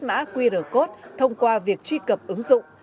hoặc quét mã qr code thông qua việc truy cập ứng dụng